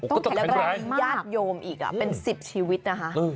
ต้องแข็งแรงมากต้องแข็งแรงยาดโยมอีกเป็น๑๐ชีวิตนะคะ